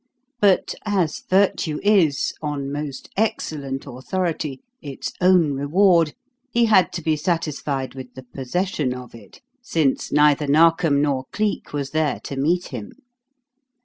But, as virtue is, on most excellent authority, its own reward, he had to be satisfied with the possession of it, since neither Narkom nor Cleek was there to meet him.